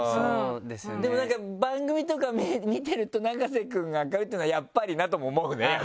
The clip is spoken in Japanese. でもなんか番組とか見てると永瀬くんが明るいっていうのはやっぱりなとも思うねやっぱり。